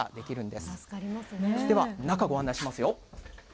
では、中、ご案内しますよ。